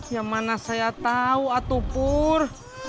ya mana saya tau atuk pur